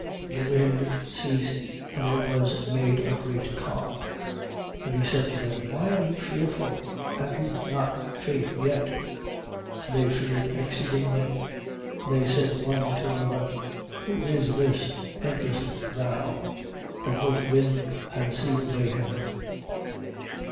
And the wind ceased: and there was made a great calm. 4:40. And he said to them: Why are you fearful? have you not faith yet? And they feared exceedingly: and they said one to another: Who is this (thinkest thou) that both wind and sea obey him?